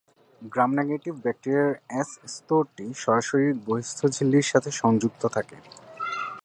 Gram-negative ব্যাকটেরিয়ার এস-স্তরটি সরাসরি বহিঃস্থ ঝিল্লির সাথে সংযুক্ত থাকে।